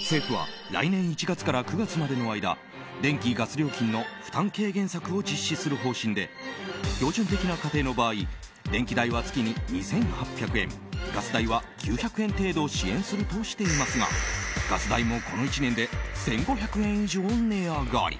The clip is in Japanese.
政府は来年１月から９月までの間電気・ガス料金の負担軽減策を実施する方針で標準的な家庭の場合電気代は月に２８００円ガス代は９００円程度支援するとしていますがガス代も、この１年で１５００円以上値上がり。